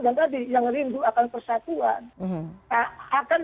dan tadi yang rindu akan persatuan